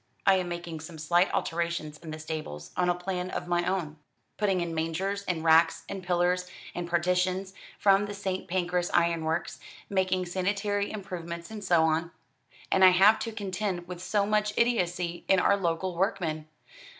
I am making some slight alterations in the stables, on a plan of my own putting in mangers, and racks, and pillars, and partitions, from the St. Pancras Ironworks, making sanitary improvements and so on and I have to contend with so much idiocy in our local workmen.